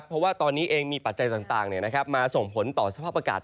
เพราะว่าตอนนี้เองมีปัจจัยต่างมาส่งผลต่อสภาพอากาศ